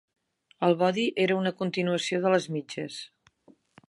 El body era una continuació de les mitges.